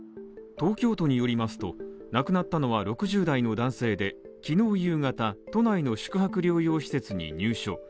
東京都によりますと、亡くなったのは６０代の男性で昨日夕方、都内の宿泊療養施設に入所。